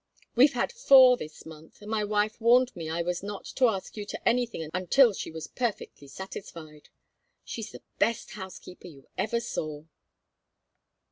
We've had four this month, and my wife warned me I was not to ask you to anything until she was perfectly satisfied. She's the best housekeeper you ever saw."